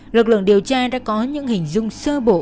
lực lượng điều tra đã có những hình dung sơ bộ